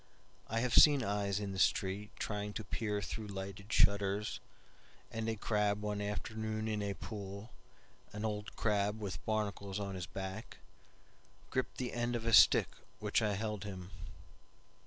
I have seen eyes in the streetTrying to peer through lighted shutters, And a crab one afternoon in a pool, An old crab with barnacles on his back, Gripped the end of a stick which I held him.